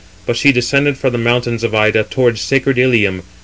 But she descended from the mountains of Ida, towards sacred Ilium.